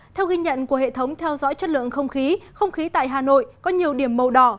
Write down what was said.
theo ghi nhận của hệ thống theo dõi chất lượng không khí không khí tại hà nội có nhiều điểm màu đỏ